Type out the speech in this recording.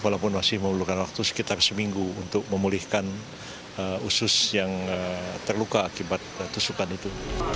walaupun masih memerlukan waktu sekitar seminggu untuk memulihkan usus yang terluka akibat tusukan itu